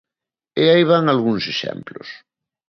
E aí van algúns exemplos.